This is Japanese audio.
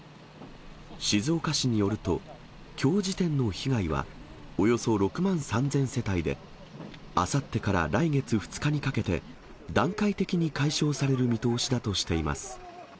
静岡市によると、きょう時点の被害は、およそ６万３０００世帯で、あさってから来月２日にかけて、段階的に解消される見通しだとしています。